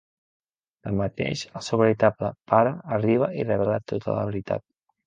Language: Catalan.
Tanmateix, el seu veritable pare arriba i revela tota la veritat.